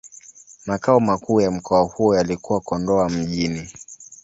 Makao makuu ya mkoa huo yalikuwa Kondoa Mjini.